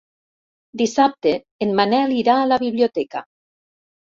Dissabte en Manel irà a la biblioteca.